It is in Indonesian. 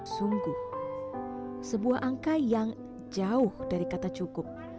sungguh sebuah angka yang jauh dari kata cukup